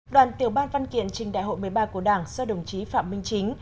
đoàn tiểu ban văn kiện trình đại hội một mươi ba của đảng do đồng chí phạm minh chính